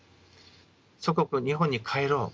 祖国日本に帰ろう。